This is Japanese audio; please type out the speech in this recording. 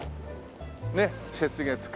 ねっ雪月花。